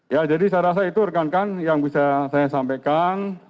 ya jadi saya rasa itu rekan rekan yang bisa saya sampaikan